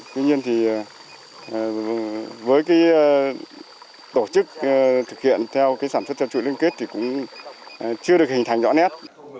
tuy nhiên thì với cái tổ chức thực hiện theo sản xuất theo chuỗi liên kết thì cũng chưa được hình thành rõ nét